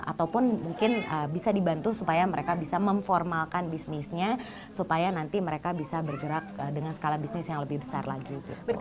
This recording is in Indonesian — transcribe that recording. ataupun mungkin bisa dibantu supaya mereka bisa memformalkan bisnisnya supaya nanti mereka bisa bergerak dengan skala bisnis yang lebih besar lagi